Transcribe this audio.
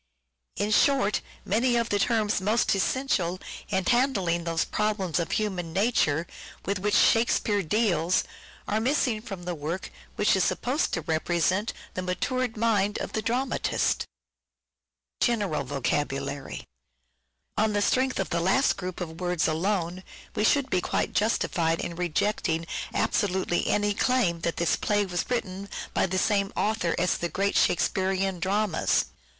In short, many of the terms most essential in handling those problems of human nature with which " Shakespeare " deals, are missing from the work which is supposed to represent the matured mind of the dramatist. On the strength of the last group of words alone General we should be quite justified in rejecting absolutely Vocabulai7 any claim that this play was written by the same author as the great Shakespearean dramas.